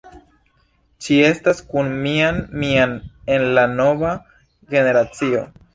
Ŝi estas kun Mian Mian en la "Nova generacio".